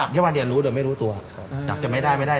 เที่ยววันเดียวรู้หรือไม่รู้ตัวจากจะไม่ได้ไม่ได้